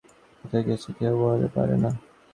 কোথায় গিয়েছেন কেউ বলতে পারে না।